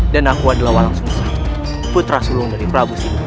dan aku adalah walang sumesan putra sulung dari prabu siliwang